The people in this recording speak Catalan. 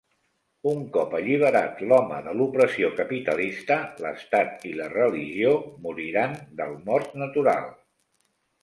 Un cop alliberat l'home de l'opressió capitalista, l'Estat i la religió moriran del mort natural.